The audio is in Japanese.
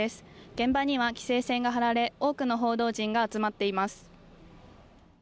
現場には規制線が張られ多くの報道陣が集まっています。